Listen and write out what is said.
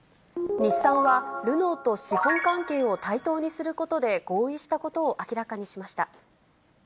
日産はルノーと資本関係を対等にすることで合意したことを明らかにしました。